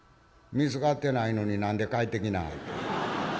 見つかってないのに何で帰ってきなはった？」。